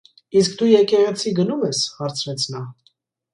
Իսկ դու եկեղեցի գնո՞ւմ ես,- հարցրեց նա: